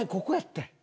ここやって。